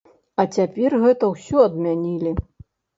А цяпер гэта ўсё адмянілі.